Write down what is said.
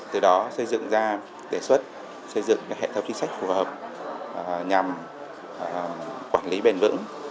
từ đó xây dựng ra đề xuất xây dựng hệ thống chính sách phù hợp nhằm quản lý bền vững